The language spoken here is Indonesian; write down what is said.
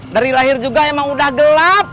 dari lahir juga emang udah gelap